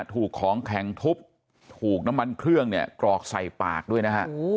ถูกของแข็งทุบถูกน้ำมันเครื่องเนี่ยกรอกใส่ปากด้วยนะฮะ